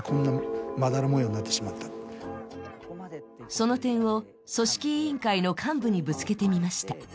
その点を組織委員会の幹部にぶつけてみました。